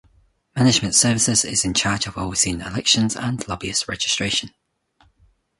Management Services is in charge of overseeing elections and lobbyist registration.